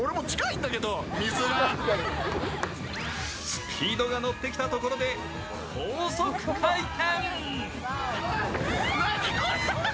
スピードが乗ってきたところで高速回転。